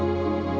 terima kasih kamu